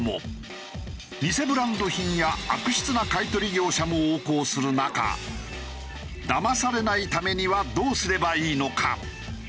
偽ブランド品や悪質な買い取り業者も横行する中だまされないためにはどうすればいいのか？